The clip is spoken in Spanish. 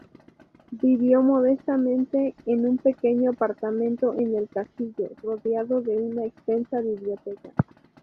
Vivió modestamente en un pequeño apartamento en el Castillo, rodeado de una extensa biblioteca.